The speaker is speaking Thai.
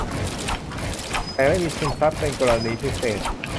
แต่ไม่มีทุนทรัพย์เป็นกรณีพิเศษ